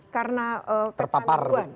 karena kecanduan terpapar